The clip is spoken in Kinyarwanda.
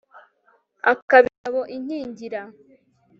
akaba ingabo inkingira